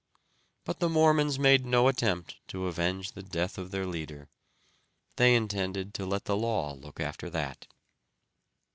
But the Mormons made no attempt to avenge the death of their leader; they intended to let the law look after that.